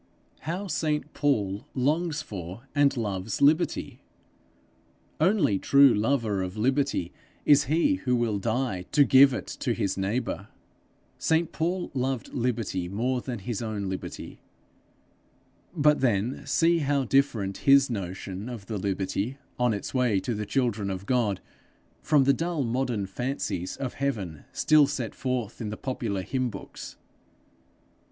How St Paul longs for and loves liberty! Only true lover of liberty is he, who will die to give it to his neighbour! St Paul loved liberty more than his own liberty. But then see how different his notion of the liberty on its way to the children of God, from the dull modern fancies of heaven still set forth in the popular hymn books!